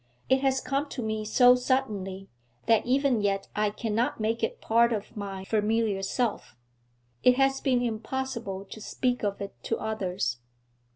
It has come to me so suddenly, that even yet I cannot make it part of my familiar self. It has been impossible to speak of it to others.'